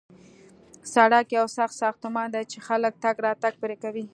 سړک یو سخت ساختمان دی چې خلک تګ راتګ پرې کوي